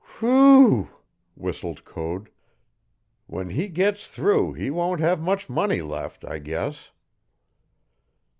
"Whee ew!" whistled Code. "When he gets through he won't have much money left, I guess."